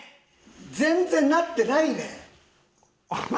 全然なってないねん！